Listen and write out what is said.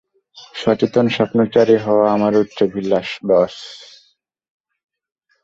সচেতন স্বপ্নচারী হওয়া আমার উচ্চাভিলাষ, বস্।